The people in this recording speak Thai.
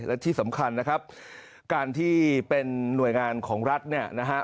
และที่สำคัญนะครับการที่เป็นหน่วยงานของรัฐเนี่ยนะฮะ